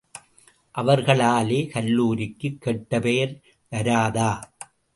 அவர்களாலே கல்லூரிக்குக் கெட்ட பெயர் வராதா?